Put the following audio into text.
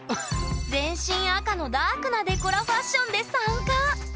全身赤のダークなデコラファッションで参加千葉！